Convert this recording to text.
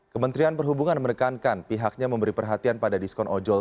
kementerian perhubungan menekankan pihaknya memberi perhatian pada diskon ojol